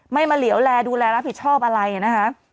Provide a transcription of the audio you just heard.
มาเหลวแลดูแลรับผิดชอบอะไรนะคะ